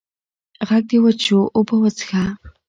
غږ دې وچ شو اوبه وڅښه!